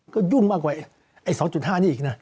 ก็ดุ้งมากกว่า๒๕นี่อีกนะ